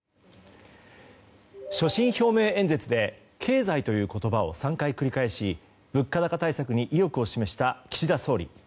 所信表明演説で経済という言葉を３回繰り返し物価高対策に意欲を示した岸田総理。